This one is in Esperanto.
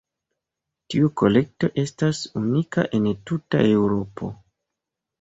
Tiu kolekto estas unika en tuta Eŭropo.